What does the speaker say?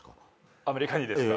アメリカにですか？